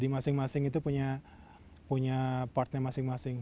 masing masing itu punya perannya masing masing